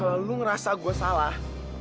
kalau lo ngerasa gue salah